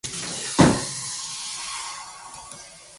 The following were the results of the women's competition.